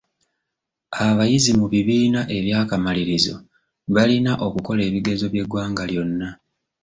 Abayizi mu bibiina eby'akamalirizo balina okukola ebigezo by'eggwanga lyonna.